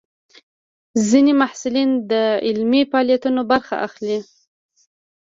ځینې محصلین د علمي فعالیتونو برخه اخلي.